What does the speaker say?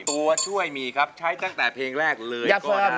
ตัวช่วยมีครับใช้ตั้งแต่เพลงแรกเลยก็ได้